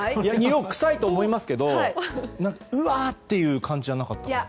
くさいと思いますけどうわー！というにおいじゃなかった。